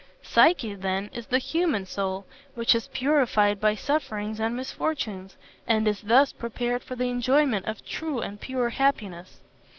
Psyche, then, is the human soul, which is purified by sufferings and misfortunes, and is thus prepared for the enjoyment of true and pure happiness.